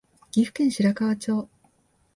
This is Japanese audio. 岐阜県白川町